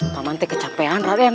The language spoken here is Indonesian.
pak mante kecapean raden